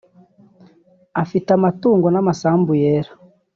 afite amatungo n’amasambu yera